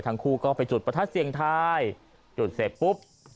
ทั้งคู่ก็ไปจุดประทัดเสียงทายจุดเสร็จปุ๊บ